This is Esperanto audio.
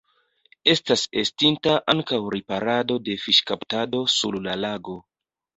Estas estinta ankaŭ riparado de fiŝkaptado sur la lago.